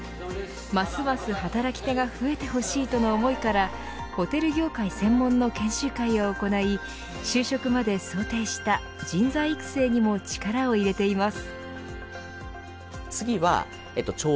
ますます働き手が増えてほしいとの思いからホテル業界専門の研修会を行い就職まで想定した人材育成にも力を入れています。